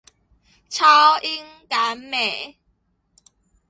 超英趕美